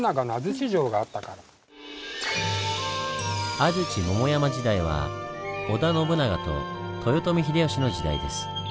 安土桃山時代は織田信長と豊臣秀吉の時代です。